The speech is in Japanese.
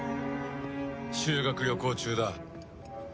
修学旅行中だ。